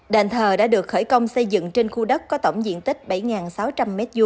đền thờ đã được khởi công xây dựng trên khu đất có tổng diện tích bảy sáu trăm linh m hai